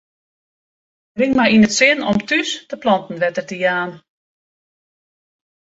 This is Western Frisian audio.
Bring my yn it sin om thús de planten wetter te jaan.